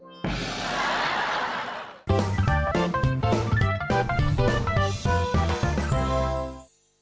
โปรดติดตามตอนต่อไป